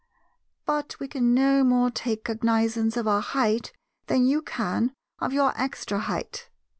But we can no more take cognizance of our 'height' than you can of your 'extra height.